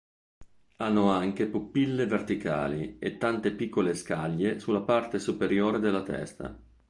Hanno anche pupille verticali e tante piccole scaglie sulla parte superiore della testa.